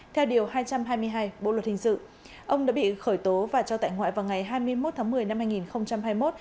theo điều hai trăm hai mươi hai bộ luật hình sự ông đã bị khởi tố và cho tại ngoại vào ngày hai mươi một tháng một mươi năm hai nghìn hai mươi một